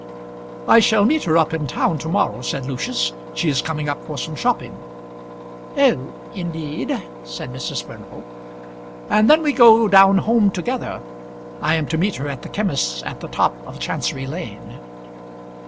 "I shall meet her up in town to morrow," said Lucius. "She is coming up for some shopping." "Oh! indeed," said Mrs. Furnival. "And then we go down home together. I am to meet her at the chymist's at the top of Chancery Lane."